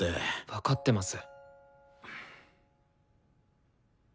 分かってます。